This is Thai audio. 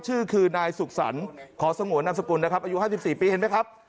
ชื่อคือนายสุขสรรค์ขอสงวนนามสกุลนะครับอายุ๕๔ปีเห็นไหมครับ